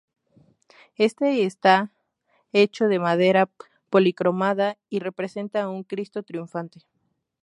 Este está hecho de madera policromada y representa a un Cristo triunfante.